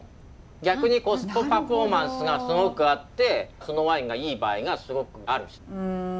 逆にコストパフォーマンスがすごくあってそのワインがいい場合がすごくある。